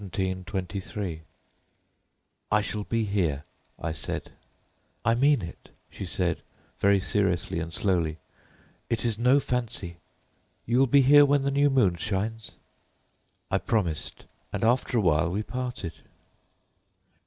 1713.' "'I shall be here.' I said. "'I mean it,' she said, with deep and sudden seriousness, 'it is no fancy. You will be here when the new moon shines?'" "I promised, and after a while we parted.